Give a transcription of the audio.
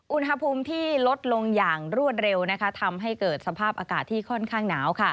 อุณหภูมิที่ลดลงอย่างรวดเร็วทำให้เกิดสภาพอากาศที่ค่อนข้างหนาว